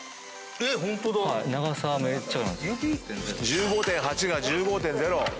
１５．８が１５．０。